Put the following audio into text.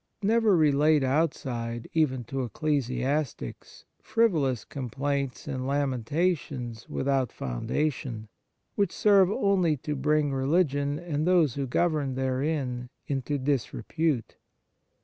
Never relate outside, even to ecclesiastics, frivolous com plaints and lamentations without foundation, which serve only to bring religion, and those who govern therein, into disrepute.